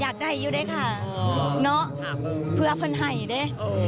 อยากได้อยู่ด้วยค่ะเพื่ออภัณฑ์ให้ได้